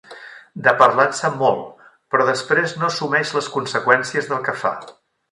De parlar en sap molt, però després no assumeix les conseqüències del que fa.